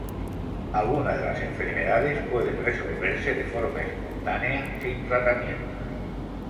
Alguna de las enfermedades pueden resolverse de forma espontánea sin tratamiento.